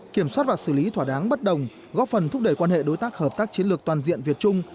kiểm soát và xử lý thỏa đáng bất đồng góp phần thúc đẩy quan hệ đối tác hợp tác chiến lược toàn diện việt trung